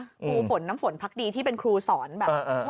ครูฟลน้ำฝนพลักษณีย์ที่เป็นครูสอนแบบอือออ